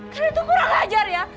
kalian itu kurang ajar ya